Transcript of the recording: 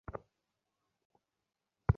কিন্তু অস্বস্তির কারণ তিনি ধরতে পারেন না।